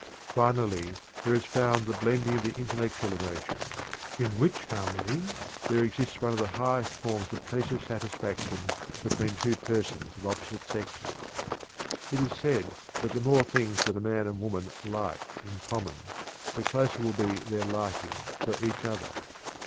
Finally, there is found the blending of the intellectual emotions, in which harmony there exists one of the highest forms of pleasure satisfaction between two persons of opposite sexes. It is said that the more things that a man and woman "like" in common, the closer will be their "liking" for each other.